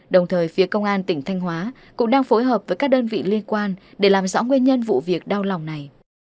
đồng thời phía công an tỉnh thanh hóa cũng đang phối hợp với các đơn vị liên quan để làm rõ nguyên nhân vụ việc đau lòng này